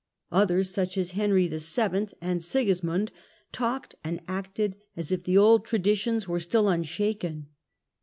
Others, such as Henry VII. and Sigismund, talked and acted as if the old traditions were still unshaken.